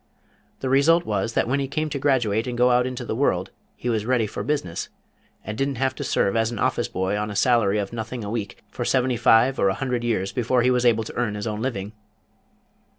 The result was that when he came to graduate and go out into the world he was ready for business, and didn't have to serve as an Office Boy on a salary of nothing a week for seventy five or a hundred years before he was able to earn his own living."